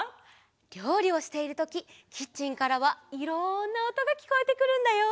りょうりをしているときキッチンからはいろんなおとがきこえてくるんだよ！